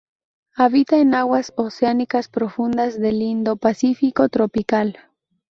Habita en aguas oceánicas profundas del indo-pacífico tropical.